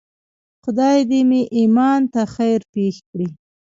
خدای دې مې ایمان ته خیر پېښ کړي.